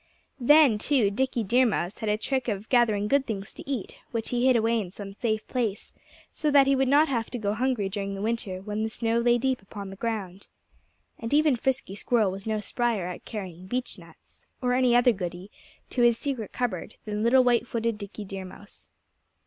Then, too, Dickie Deer Mouse had a trick of gathering good things to eat, which he hid away in some safe place, so that he would not have to go hungry during the winter, when the snow lay deep upon the ground. And even Frisky Squirrel was no spryer at carrying beechnuts or any other goody to his secret cupboard than little white footed Dickie Deer Mouse.